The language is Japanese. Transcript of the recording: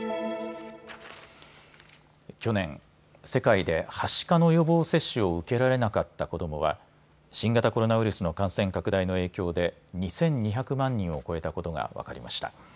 去年、世界ではしかの予防接種を受けられなかった子どもは新型コロナウイルスの感染拡大の影響で２２００万人を超えたことが分かりました。